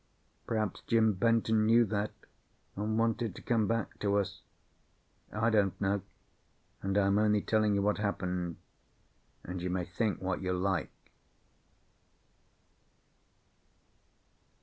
Perhaps Jim Benton knew that, and wanted to come back to us. I don't know, and I am only telling you what happened, and you may think what you like.